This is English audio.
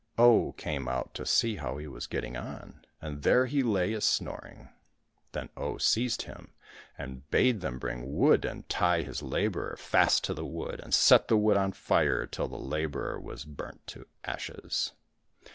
Oh came out to see how he was getting on, and there he lay a snoring. Then Oh seized him, and bade them bring wood and tie his labourer fast to the wood, and set the wood on fire till the labourer was burnt to ashes.